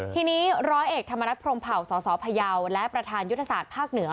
ทีนี้ร้อยเอกธรรมนัฐพรมเผ่าสสพยาวและประธานยุทธศาสตร์ภาคเหนือ